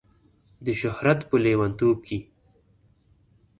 د شهرت په لیونتوب کې